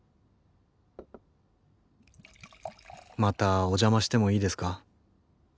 またお邪魔してもいいですか？